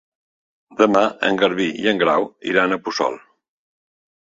Demà en Garbí i en Grau iran a Puçol.